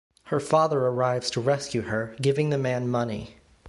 Her father arrives to rescue her, giving the man money.